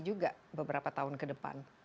juga beberapa tahun ke depan